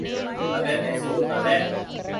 اگر ایسے ہوتا ہے۔